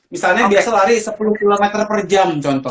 misalnya biasa lari sepuluh km per jam contoh